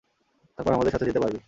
তারপর আমাদের সাথে যেতে পারবি।